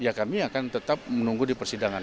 ya kami akan tetap menunggu di persidangan